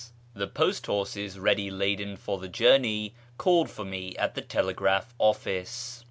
" The post horses, ready laden for the journey, called for me at the telegraph office.